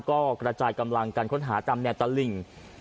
ก็กระจายกำลังการค้นหาตามแนวตลิ่ง